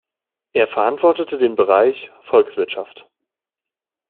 Er verantwortete den Bereich „Volkswirtschaft“.